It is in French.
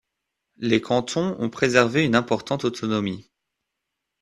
Les cantons ont préservé une importante autonomie.